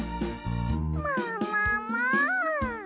ももも！